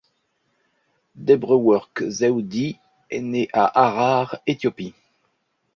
Debrework Zewdie est née à Harar, Éthiopie.